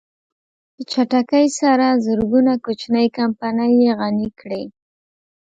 په چټکۍ سره زرګونه کوچنۍ کمپنۍ يې غني کړې.